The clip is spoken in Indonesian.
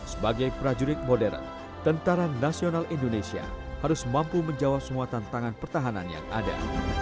sebagai prajurit modern tentara nasional indonesia harus mampu menjawab semua tantangan pertahanan yang ada